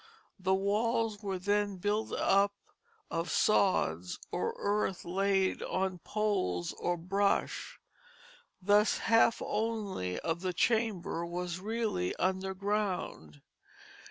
The walls were then built up of sods or earth laid on poles or brush; thus half only of the chamber was really under ground.